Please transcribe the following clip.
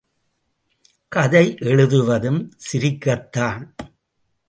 கதை எழுதுவதும் சிரிக்கத்தான்!